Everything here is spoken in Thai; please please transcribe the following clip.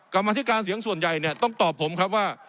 กรรมธิการเสียงส่วนใหญ่เนี่ยต้องตอบผมครับว่า